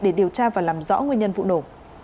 để điều tra và làm rõ nguyên nhân vụ nổ